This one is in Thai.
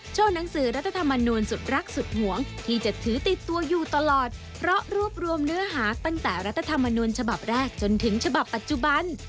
หนังสือรัฐธรรมนูลสุดรักสุดหวงที่จะถือติดตัวอยู่ตลอดเพราะรวบรวมเนื้อหาตั้งแต่รัฐธรรมนูญฉบับแรกจนถึงฉบับปัจจุบัน